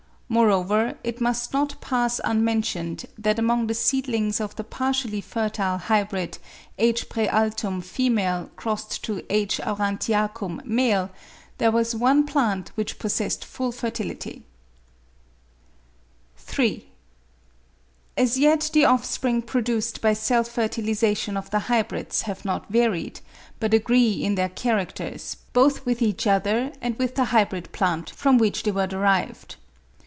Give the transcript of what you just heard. Moreover it must not pass unmentioned that among the seedlings of the partially fertile hybrid H. praealtum $ x H. aurantiacum $ there was one plant which possessed full fertility. [3.] As yet the offspring produced by self fertilisation of the hybrids have not varied, but agree in their characters both with each other and with the hybrid plant from which they were derived.